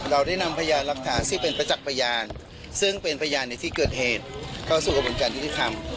เราได้นำพยานหลักฐานที่เป็นประจักษ์พยานซึ่งเป็นพยานในที่เกิดเหตุเข้าสู่กระบวนการยุติธรรม